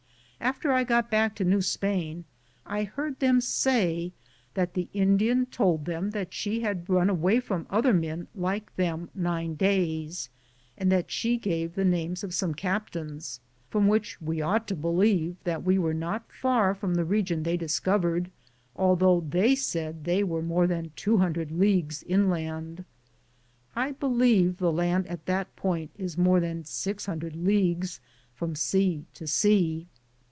After I got back to New Spain I heard them say that the Indian told them that she had run away from other men like them nine days, and that she gave the names of some captains; from which we ought to believe that we were not far from the region they discovered, although they aaid they were more than 200 leagues in land. I believe the land at that point is more than 600 leagues across from sea to sea.